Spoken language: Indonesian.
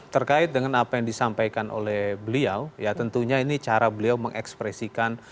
terkait dengan apa yang disampaikan oleh beliau ya tentunya ini cara beliau mengekspresikan